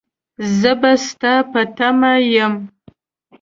زه به ستا په تمه يم.